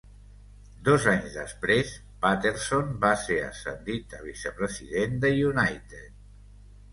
Dos anys després, Patterson va ser ascendit a vicepresident de United.